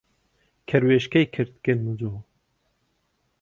کەروێشکەی کرد گەنم و جۆ